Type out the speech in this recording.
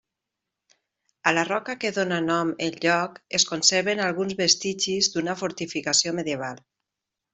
A la roca que dóna nom el lloc es conserven alguns vestigis d'una fortificació medieval.